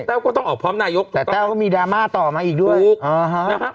ก็ต้องออกพร้อมนายกแต่แต้วก็มีดราม่าต่อมาอีกด้วยนะครับ